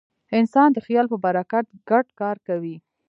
انسان د خیال په برکت ګډ کار کوي.